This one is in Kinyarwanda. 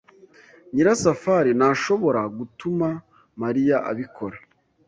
Nyirasafari ntashobora gutuma Mariya abikora.